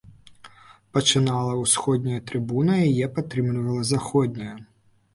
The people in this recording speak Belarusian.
Пачынала ўсходняя трыбуна, яе падтрымлівала заходняя.